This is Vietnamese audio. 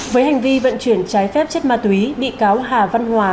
với hành vi vận chuyển trái phép chất ma túy bị cáo hà văn hòa